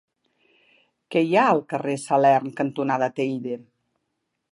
Què hi ha al carrer Salern cantonada Teide?